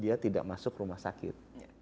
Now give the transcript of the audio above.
dia tidak masuk rumah sakit